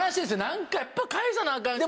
何かやっぱ返さなアカン。